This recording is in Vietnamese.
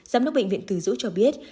giám đốc bệnh viện từ dũ cho biết